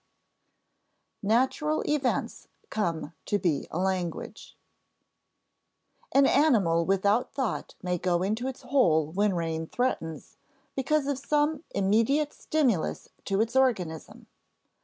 [Sidenote: Natural events come to be a language] An animal without thought may go into its hole when rain threatens, because of some immediate stimulus to its organism.